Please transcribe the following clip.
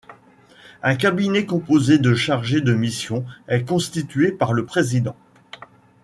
Un cabinet composé de chargés de mission est constitué par le président.